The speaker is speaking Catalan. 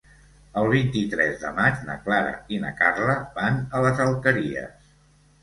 El vint-i-tres de maig na Clara i na Carla van a les Alqueries.